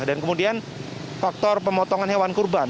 dan kemudian faktor pemotongan hewan kurban